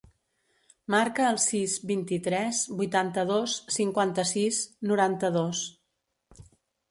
Marca el sis, vint-i-tres, vuitanta-dos, cinquanta-sis, noranta-dos.